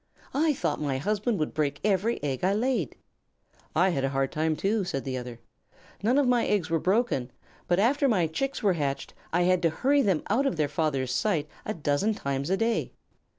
I thought my husband would break every egg I laid." "I had a hard time too," said the other. "None of my eggs were broken, but after my chicks were hatched I had to hurry them out of their father's sight a dozen times a day."